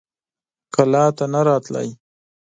کلا ته نه راته.